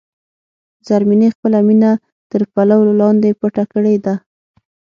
زرمینې خپله مینه تر پلو لاندې پټه کړې ده.